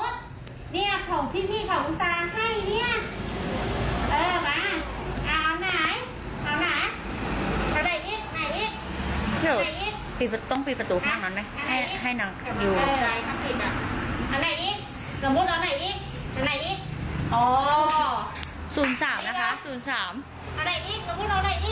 ระมุดเนี่ยของพี่พี่ของสาวให้เนี่ยเออมาเอาไหนเอาไหน